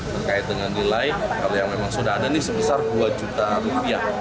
berkait dengan nilai kalau yang memang sudah ada ini sebesar dua juta rupiah